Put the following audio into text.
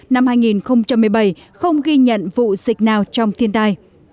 năm hai nghìn một mươi bảy không ghi nhận vụ dịch nào trong thiên tai